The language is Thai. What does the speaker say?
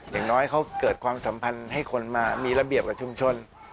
อย่างน้อยเขาเกิดความสัมพันธ์ให้คนมามีระเบียบกับชุมชน